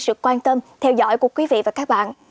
sự quan tâm theo dõi của quý vị và các bạn